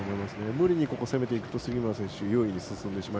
無理に攻めていくと杉村選手が優位に進むので。